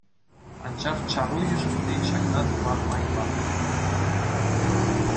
Анчах чару йышӑнни ҫакна тума май памӗ.